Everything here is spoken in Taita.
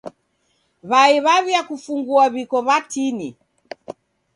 W'ai w'aw'iakufungua w'iko w'atini.